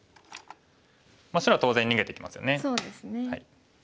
白は当然逃げてきますよね。